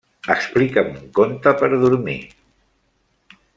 Explica'm un conte per dormir.